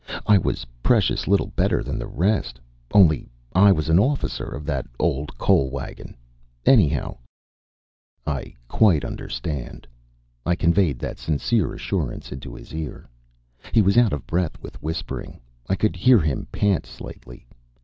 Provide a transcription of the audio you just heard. I was precious little better than the rest. Only I was an officer of that old coal wagon, anyhow " "I quite understand," I conveyed that sincere assurance into his ear. He was out of breath with whispering; I could hear him pant slightly.